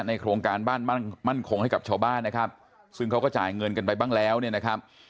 โครงการบ้านมั่นคงให้กับชาวบ้านนะครับซึ่งเขาก็จ่ายเงินกันไปบ้างแล้วเนี่ยนะครับ